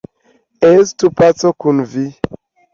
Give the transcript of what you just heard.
Estu paco kun vi!